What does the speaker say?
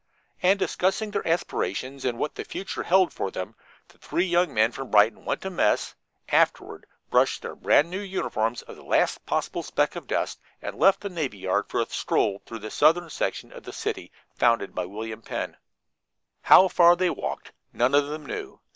And, discussing their aspirations and what the future held for them, the three young men from Brighton went to mess, afterward brushed their brand new uniforms of the last possible speck of dust, and left the navy yard for a stroll through the southern section of the city founded by William Penn. How far they walked none of them knew.